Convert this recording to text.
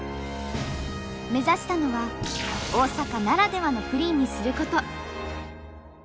目指したのは大阪ならではのプリンにすること。